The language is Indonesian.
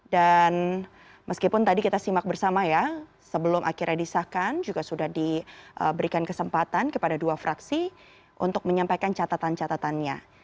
dan meskipun tadi kita simak bersama ya sebelum akhirnya disahkan juga sudah diberikan kesempatan kepada dua fraksi untuk menyampaikan catatan catatannya